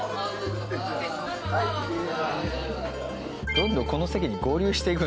どんどんこの席に合流していくんですね。